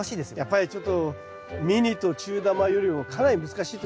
やっぱりちょっとミニと中玉よりもかなり難しいってことになりますね。